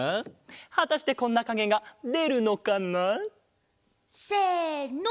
はたしてこんなかげがでるのかな？せの！